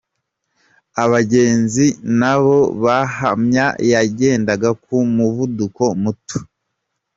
Abagenzi na bo bahamya yagendaga ku muvuduko muto.